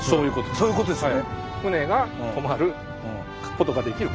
そういうことですよね。